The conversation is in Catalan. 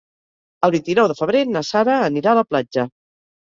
El vint-i-nou de febrer na Sara anirà a la platja.